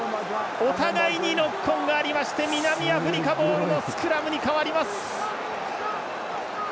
お互いにノックオンがありまして南アフリカボールのスクラムに変わります。